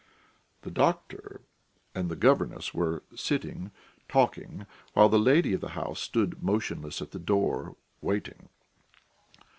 The doctor and the governess were sitting talking while the lady of the house stood motionless at the door, waiting.